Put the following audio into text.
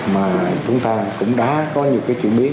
mà chúng ta cũng đã có nhiều cái chuyển biến